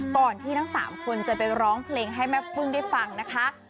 ก่อนที่ทั้ง๓คนจะไปร้องเพลงให้แม่พึ่งได้ฟังนะคะ